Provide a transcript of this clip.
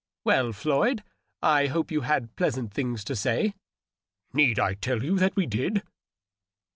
" Well, Floyd, I hope you had pleasant things to say." " Need I tell you that we did